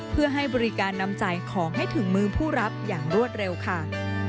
เพื่อให้บริการนำจ่ายของให้ถึงมือผู้รับอย่างรวดเร็วค่ะ